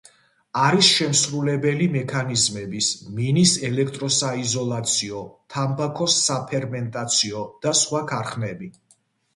არის შემსრულებელი მექანიზმების, მინის ელექტროსაიზოლაციო, თამბაქოს საფერმენტაციო, და სხვა ქარხნები.